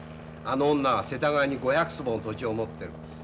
あの女は世田谷に５００坪の土地を持ってる。